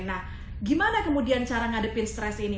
nah gimana kemudian cara ngadepin stres ini